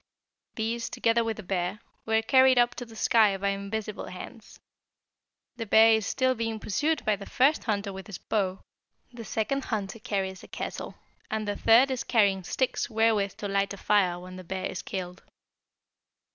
These, together with the bear, were carried up to the sky by invisible hands. The bear is still being pursued by the first hunter with his bow, the second hunter carries a kettle, and the third is carrying sticks wherewith to light a fire when the bear is killed.